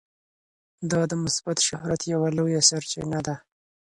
دا د مثبت شهرت یوه لویه سرچینه ده.